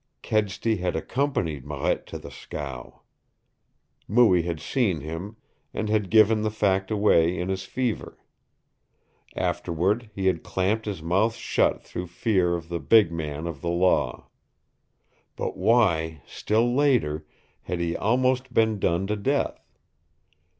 Kedsty had accompanied Marette to the scow. Mooie had seen him and had given the fact away in his fever. Afterward he had clamped his mouth shut through fear of the "big man" of the Law. But why, still later, had he almost been done to death?